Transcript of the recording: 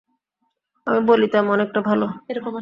আমি বলিতাম, অনেকটা ভালো।